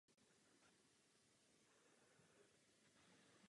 Městskou dopravu obstarávají trolejbusové a autobusové linky.